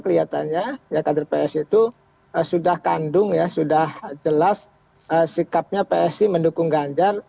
kelihatannya ya kader psi itu sudah kandung ya sudah jelas sikapnya psi mendukung ganjar